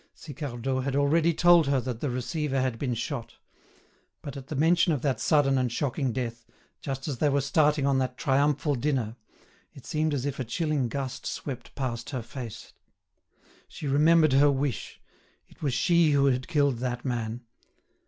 Sicardot had already told her that the receiver had been shot; but at the mention of that sudden and shocking death, just as they were starting on that triumphal dinner, it seemed as if a chilling gust swept past her face. She remembered her wish; it was she who had killed that man.